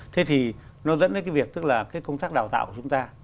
thế thì nó dẫn đến cái việc tức là cái công tác đào tạo của chúng ta